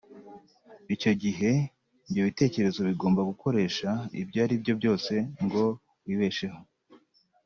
icyo gihe ibyo bitekerezo bigomba kugukoresha ibyo ari byo byose ngo wibesheho